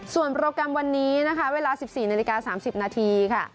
ส่วนโปรแกรมวันนี้นะคะเวลา๑๔นาฬิกา๓๐นาทีค่ะ